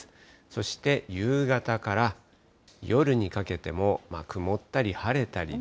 そして夕方から夜にかけても曇ったり晴れたりで。